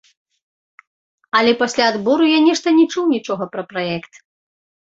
Але пасля адбору я нешта не чуў нічога пра праект.